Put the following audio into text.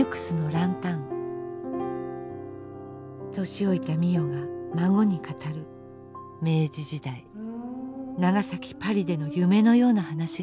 年老いた美世が孫に語る明治時代長崎パリでの夢のような話が終わりました。